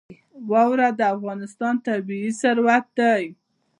واوره د افغانستان طبعي ثروت دی.